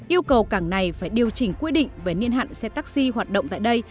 yêu cầu cảng này phải điều chỉnh quy định về niên hạn xe taxi hoạt động tại đây